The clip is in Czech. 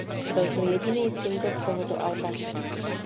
Byl to jediný singl z tohoto alba.